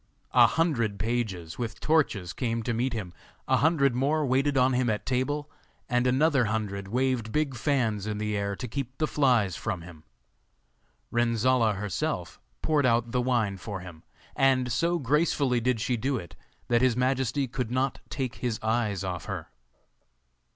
A hundred pages with torches came to meet him, a hundred more waited on him at table, and another hundred waved big fans in the air to keep the flies from him. Renzolla herself poured out the wine for him, and, so gracefully did she do it, that his Majesty could not take his eyes off her.